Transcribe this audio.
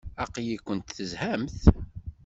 Aql-ikent tezhamt?